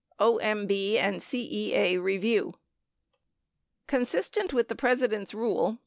OMB and CEA Bevieio Consistent with the President's rule.